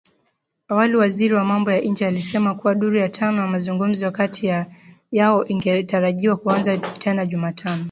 Awali waziri wa mambo ya nje alisema kuwa duru ya tano ya mazungumzo kati yao ingetarajiwa kuanza tena Jumatano.